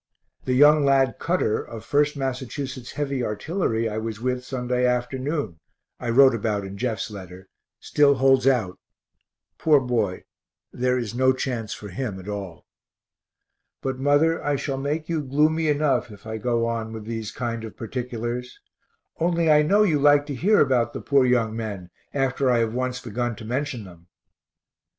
The young lad Cutter, of 1st Massachusetts heavy artillery, I was with Sunday afternoon, (I wrote about in Jeff's letter) still holds out. Poor boy, there is no chance for him at all. But mother, I shall make you gloomy enough if I go on with these kind of particulars only I know you like to hear about the poor young men, after I have once begun to mention them.